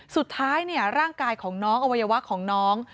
สุดท้ายร่างกายของน้องอวัยวะของน้อง